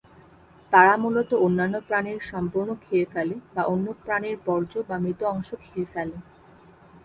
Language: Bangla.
তারা মূলত অন্যান্য প্রাণীর সম্পূর্ণ খেয়ে ফেলে বা অন্য প্রাণীর বর্জ্য বা মৃত অংশ খেয়ে ফেলে।